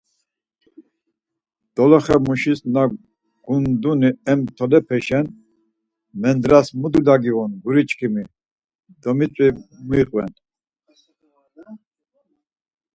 Doloxe muşis na gonduni em tolepeşen mendras mu dulya giğun guri çkimi, domitzvi muiqven?